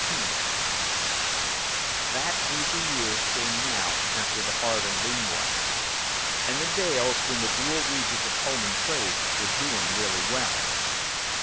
XIV Fat easy years came now after the hard and lean ones; and the Dales in the dual regions of home and trade were doing really well.